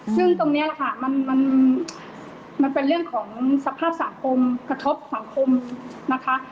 ซึ่งตรงนี้แหละค่ะมันเป็นเรื่องของสภาพสังคมกระทบสังคมนะคะ